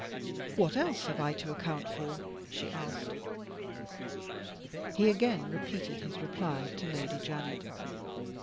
"What else have I to account for?" she asked. He again repeated his reply to Lady Janet.